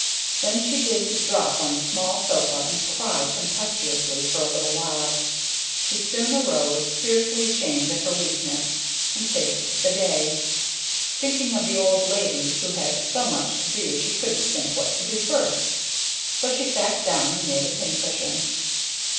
Then she did drop on the small sofa and cry tempestuously for a little while; but soon arose, fiercely ashamed of her weakness, and faced the day; thinking of the old lady who had so much to do she couldn't think what to first so she sat down and made a pincushion.